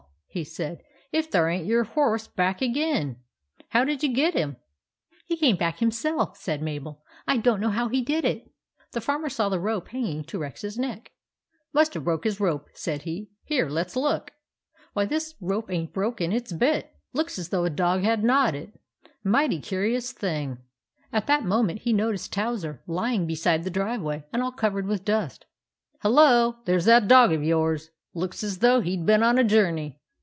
he said. "If there ain't your horse back again ! How did you you get him ?"" He came back himself," said Mabel. " I don't know how he did it." The Farmer saw the rope hanging to Rex's neck. " Must have broke his rope," said he. 11 Here, let 's look. Why, this rope ain't broken ; it 's bit. Looks as though a dog had gnawed it. Mighty curious thing." At that moment he noticed Towser, lying beside the driveway and all covered with dust. "Hullo! There's that dog of yours! Looks as though he 'd been on a journey.